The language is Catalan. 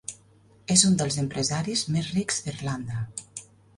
És un dels empresaris més rics d'Irlanda.